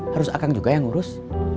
harus kang juga yang urus